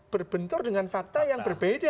berbentur dengan fakta yang berbeda